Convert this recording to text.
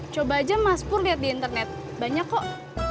coba aja mas pur liat di internet banyak kok